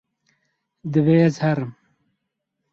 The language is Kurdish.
Divê ez herim.